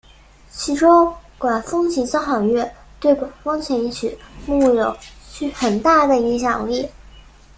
其中管风琴交响乐对管风琴曲目有很大的影响力。